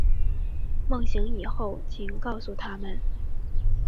梦醒以后请告诉他们